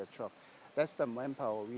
itulah kekuatan yang kami miliki